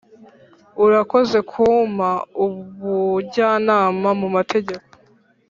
urakoze kumpa ubujyanama mumategeko!